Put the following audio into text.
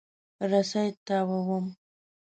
رسۍ تاووم.